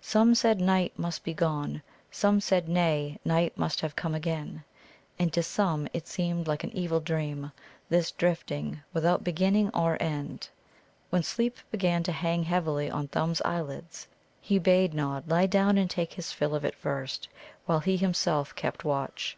Some said night must be gone; some said nay, night must have come again; and to some it seemed like an evil dream, this drifting, without beginning or end. When sleep began to hang heavily on Thumb's eyelids, he bade Nod lie down and take his fill of it first, while he himself kept watch.